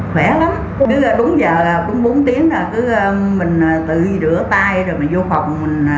khỏe lắm đúng giờ bốn tiếng mình tự rửa tay rồi mình vô phòng